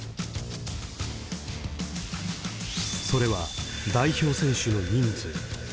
それは代表選手の人数。